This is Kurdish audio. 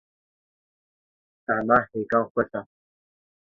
Tahma hêkan xweş e.